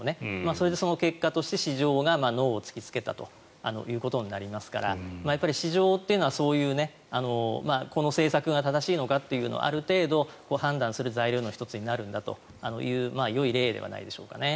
その結果として市場がノーを突きつけたということになりますから市場というのはそういうこの政策が正しいのかというのをある程度判断する材料の１つになるんだといういい例じゃないでしょうかね。